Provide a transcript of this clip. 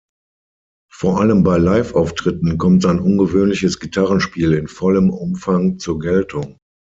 Vor allem bei Live-Auftritten kommt sein ungewöhnliches Gitarrenspiel in vollem Umfang zur Geltung.